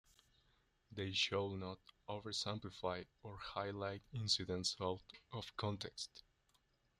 They should not oversimplify or highlight incidents out of context.